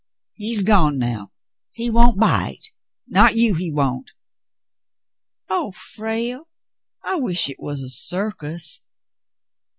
"He's gone now. He won't bite — not you, he won't." "Oh, Frale ! I wish it was a circus."